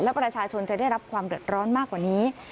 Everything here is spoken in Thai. และประชาชนจะได้รับความเดือดร้อนมากกว่านี้